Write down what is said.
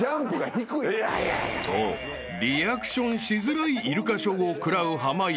［とリアクションしづらいイルカショーを食らう濱家］